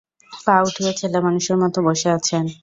পা উঠিয়ে ছেলেমানুষের মতো বসে আছেন।